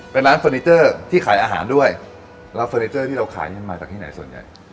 เป็นร้านเฟอร์นิเจอร์ที่ขายอาหารด้วยแล้วเฟอร์นิเจอร์ที่เราขายมันมาจากที่ไหนส่วนใหญ่